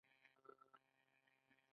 د ضحاک ښار په بامیان کې دی